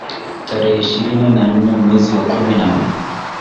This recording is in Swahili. tarehe ishirini na nne mwezi wa kumi na mbili